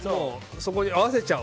そこに合わせちゃう。